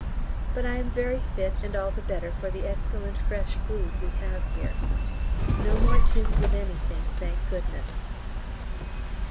But I am very fit, and all the better for the excellent fresh food we have here. No more tins of anything, thank goodness!